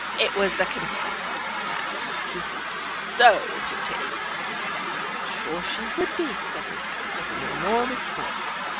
"It was the Contessa, Miss Mapp, who has been so entertaining." "I'm sure she would be," said Miss Mapp, with an enormous smile.